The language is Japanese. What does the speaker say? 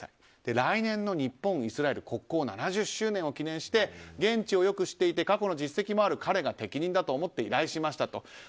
来年の日本、イスラエル国交樹立７０周年を記念して現地をよく知っていて過去の実績もある彼が適任だと思って依頼しましたと。